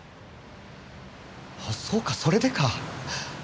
あっそうかそれでか。